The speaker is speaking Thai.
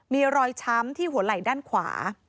มีรอยช้ำที่หัวไหล่ด้านขวา